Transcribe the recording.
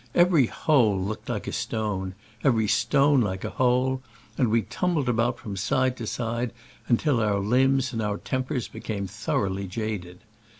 Every hole looked like a stone, every stone like a hole, and we tumbled about from side to side until our limbs and our tempers became thoroughly jaded.